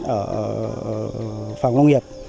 ở phòng công nghiệp